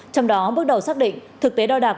trong đó bước đầu xác định thực tế đo đạc